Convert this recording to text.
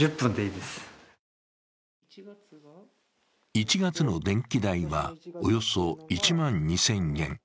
１月の電気代はおよそ１万２０００円。